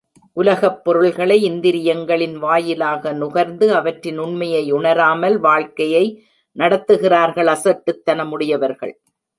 உலகப் பொருள்களை இந்திரியங்களின் வாயிலாக நுகர்ந்து, அவற்றின் உண்மையை உணராமல் வாழ்க்கையை நடத்துகிறவர்கள் அசட்டுத்தனம் உடையவர்கள்.